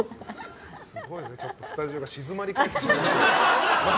すごいですね、スタジオが静まり返ってしまいました。